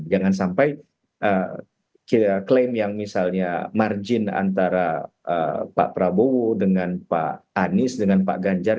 jangan sampai kita klaim yang misalnya margin antara pak prabowo dengan pak anies dengan pak ganjar